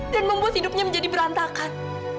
dan membuat hidupnya menjadi berantakan